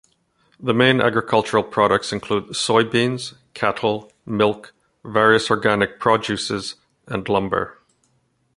The main agricultural products include soybeans, cattle, milk, various organic produces, and lumber.